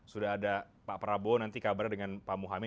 sudah ada pak prabowo nanti kabarnya dengan pak muhaymin